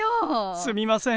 すみません。